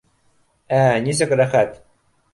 Ә нисек рәхәт